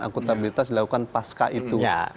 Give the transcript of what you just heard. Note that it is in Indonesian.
akuntabilitas dilakukan pasca itu